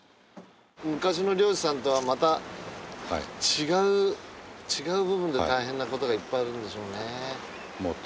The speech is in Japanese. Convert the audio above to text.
昔の漁師さんとはまた違う違う部分で大変な事がいっぱいあるんでしょうね。